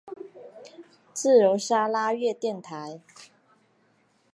自由砂拉越电台。